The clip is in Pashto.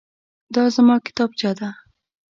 دا زما کتابچه ده.